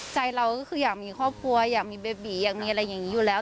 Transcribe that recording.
ใจเราก็คืออยากมีครอบครัวอยากมีเบบีอยากมีอะไรอย่างนี้อยู่แล้ว